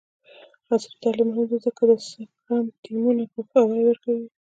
عصري تعلیم مهم دی ځکه چې د سکرم ټیمونو پوهاوی ورکوي.